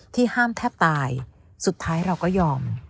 ห้ามแทบตายสุดท้ายเราก็ยอม